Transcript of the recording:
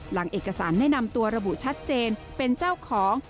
หลังเอกสารแนะนำตัวระบุชัดเจนเป็นเจ้าของ